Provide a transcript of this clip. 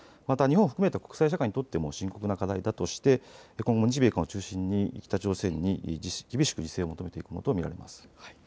また日本を含めた国際社会にとっても深刻な課題だとして今後も日米韓を中心に北朝鮮に厳しく自制を求めていくものと見られます。